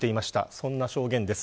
そんな証言です。